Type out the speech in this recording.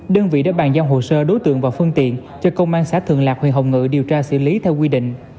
đơn vị đã bàn giao hồ sơ đối tượng và phương tiện cho công an xã thường lạc huyện hồng ngự điều tra xử lý theo quy định